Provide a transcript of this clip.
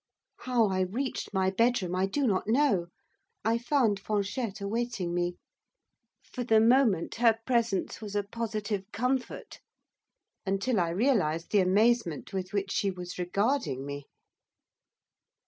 How I reached my bedroom I do not know. I found Fanchette awaiting me. For the moment her presence was a positive comfort, until I realised the amazement with which she was regarding me.